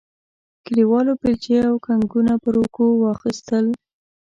کلیوالو بیلچې او کنګونه پر اوږو واخیستل.